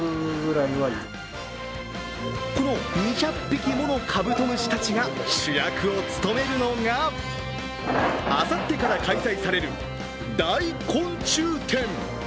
この２００匹ものカブトムシたちが主役を務めるのがあさってから開催される大昆虫展。